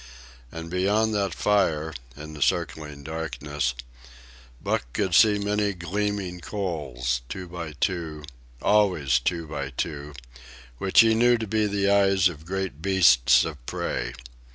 And beyond that fire, in the circling darkness, Buck could see many gleaming coals, two by two, always two by two, which he knew to be the eyes of great beasts of prey.